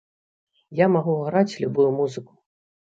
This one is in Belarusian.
Я магу граць любую музыку.